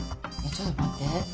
ちょっと待って。